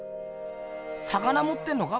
魚もってんのか？